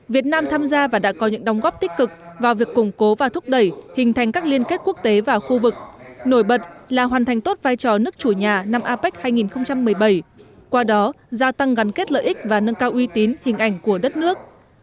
việt nam tham gia và đã có những đóng góp tích cực vào việc củng cố và thúc đẩy hình thành các liên kết quốc tế và khu vực nổi bật là hoàn thành tốt vai trò nước chủ nhà năm apec hai nghìn một mươi bảy qua đó gia tăng gắn kết lợi ích và nâng cao uy tín hình ảnh của đất nước